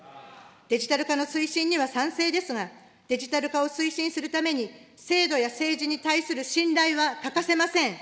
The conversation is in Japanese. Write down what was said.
デジタル化の推進には賛成ですが、デジタル化を推進するために、制度や政治に対する信頼は欠かせません。